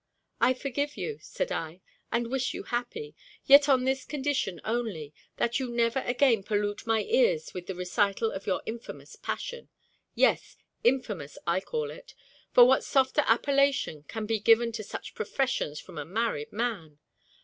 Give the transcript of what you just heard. "I forgive you," said I, "and wish you happy; yet on this condition only, that you never again pollute my ears with the recital of your infamous passion. Yes, infamous I call it; for what softer appellation can be given to such professions from a married man?